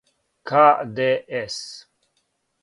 ка де ес